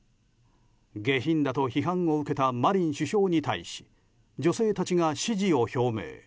下品だと批判を受けたマリン首相に対し女性たちが支持を表明。